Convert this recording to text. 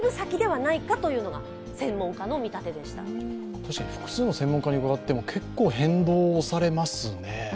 確かに複数の専門家に伺っても変動を推されますね。